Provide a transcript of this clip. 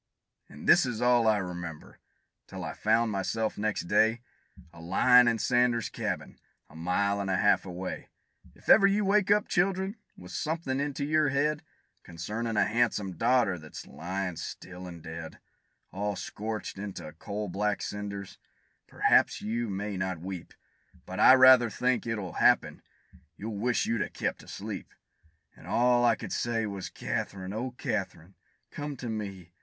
An' this is all I remember, till I found myself next day, A lyin' in Sanders' cabin, a mile an' a half away. If ever you wake up, children, with somethin' into your head, Concernin' a han'some daughter, that's lyin' still an' dead, All scorched into coal black cinders perhaps you may not weep, But I rather think it'll happen you'll wish you'd a kept asleep. And all I could say, was "Kath'rine, oh Kath'rine, come to me!"